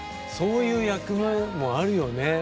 そういう役目もあるよね